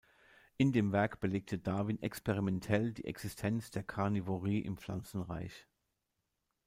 In dem Werk belegte Darwin experimentell die Existenz der Karnivorie im Pflanzenreich.